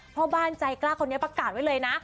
พ่อบ้านใจกล้าคนนี้ประกาศไว้เลยนะ